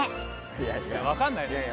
いやいや分かんないよ。